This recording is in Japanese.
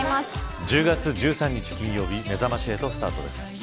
１０月１３日、金曜日めざまし８スタートです。